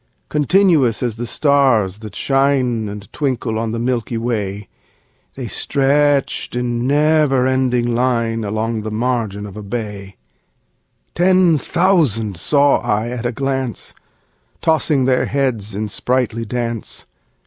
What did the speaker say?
Continuous as the stars that shine And twinkle on the milky way, The stretched in never ending line Along the margin of a bay: Ten thousand saw I at a glance, Tossing their heads in sprightly dance.